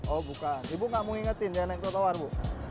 oh bukan ibu nggak mau ingetin dia naik trotoar bu